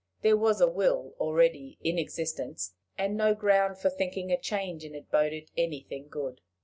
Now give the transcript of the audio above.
There was a will already in existence, and no ground for thinking a change in it boded anything good.